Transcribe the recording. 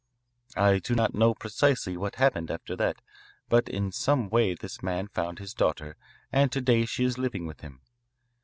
"I do not know precisely what happened after that, but in some way this man found his daughter, and to day she is living with him.